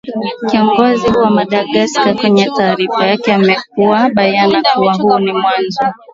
kiongozi huyo wa madagascar kwenye taarifa yake ameweka bayana kuwa huu ni mwanzo